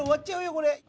これ。